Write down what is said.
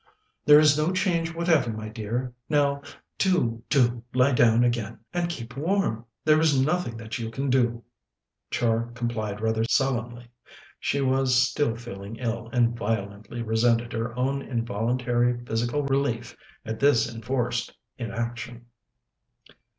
"There is no change whatever, my dear. Now, do, do lie down again and keep warm. There is nothing that you can do." Char complied rather sullenly. She was still feeling ill, and violently resented her own involuntary physical relief at this enforced inaction.